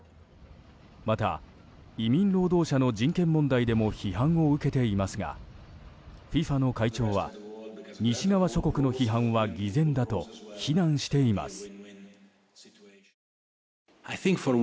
また移民労働者の人権問題でも批判を受けていますがＦＩＦＡの会長は西側諸国の批判は偽善だと非難しています。